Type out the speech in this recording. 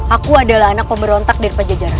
aku adalah anak pemberontak dari pak jajaran